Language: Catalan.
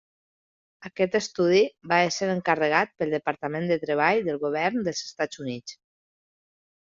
Aquest estudi va ésser encarregat pel Departament de Treball del Govern dels Estats Units.